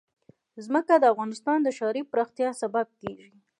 ځمکه د افغانستان د ښاري پراختیا سبب کېږي.